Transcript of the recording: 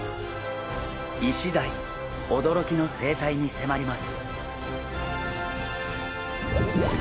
イシダイおどろきの生態にせまります！